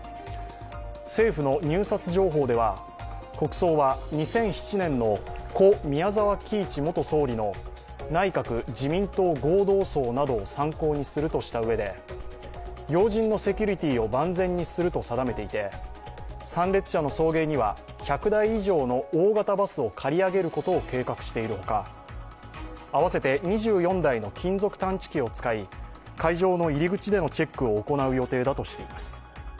政府の入札情報では、国葬は２００７年の故・宮沢喜一元総理の内閣・自民党合同葬などを参考にするとしたうえで、要人のセキュリティーを万全にすると定めていて、参列者の送迎には１００台以上の大型バスを借り上げることを計画しているほか合わせて２４台の金属探知機を使い、会場の入り口でのチェックを行う予定だとしています。